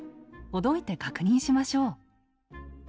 ほどいて確認しましょう。